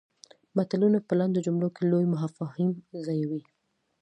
متلونه په لنډو جملو کې لوی مفاهیم ځایوي